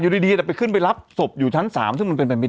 อยู่ดีแต่ไปขึ้นไปรับศบอยู่ทั้งสามซึ่งมันเป็นไม่